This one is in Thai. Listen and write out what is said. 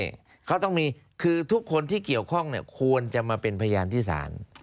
เขาต้องมีคือทุกคนที่เกี่ยวข้องเนี่ยควรจะมาเป็นพยานที่ศาล